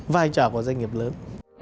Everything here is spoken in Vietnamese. vai trò của doanh nghiệp lớn